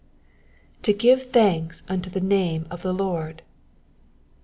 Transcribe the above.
7b give thunks vnto the name of ths Lord."